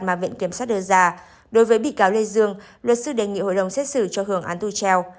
mà viện kiểm sát đưa ra đối với bị cáo lê dương luật sư đề nghị hội đồng xét xử cho hưởng án treo